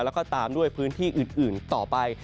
แล้วก็ตามด้วยพื้นที่อื่นต่อไป